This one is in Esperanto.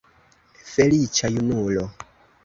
Feliĉa junulo!